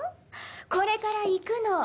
これから行くの。